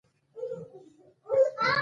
درواز لاره ولې سخته ده؟